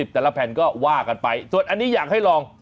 แต่ละแผ่นก็ว่ากันไปส่วนอันนี้อยากให้ลอง